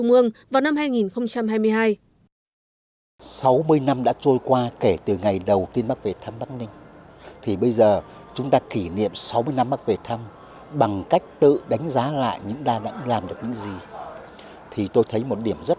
được biết năm hai nghìn một mươi bảy tổng kim ngạch xuất nhập khẩu nông lâm thủy sản